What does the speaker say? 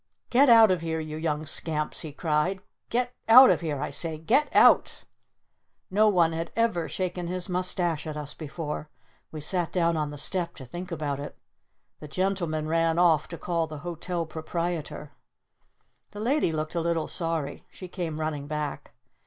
"Get out of here, you Young Scamps!" he cried. "Get out of here, I say! Get out!" No one had ever shaken his mustache at us before. We sat down on the step to think about it. The Gentleman ran off to call the Hotel Proprietor. The Lady looked a little sorry. She came running back.